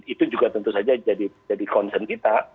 itu juga tentu saja jadi concern kita